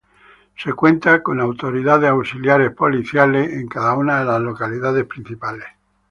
Se cuenta con autoridades auxiliares policíacas en cada una de las localidades principales.